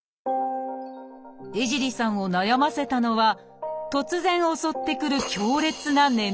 江尻さんを悩ませたのは突然襲ってくる